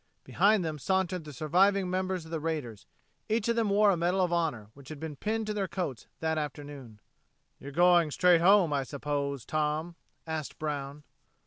Behind them sauntered the surviving members of the raiders. Each of them wore a medal of honor, which had been pinned to their coats that afternoon. "You're going straight home, I suppose, Tom?" asked Brown.